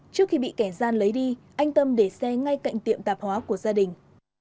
trước khi bị kẻ gian lấy đi anh tâm để xe ngay cạnh tiệm tạp hóa của gia đình